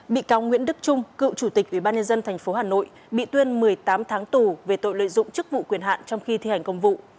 bị cáo nguyễn đức trung cựu chủ tịch ubnd tp hà nội bị tuyên một mươi tám tháng tù về tội lợi dụng chức vụ quyền hạn trong khi thi hành công vụ